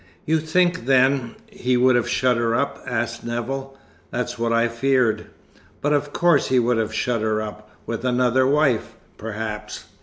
"You think, then, he would have shut her up?" asked Nevill. "That's what I feared." "But of course he would have shut her up with another wife, perhaps."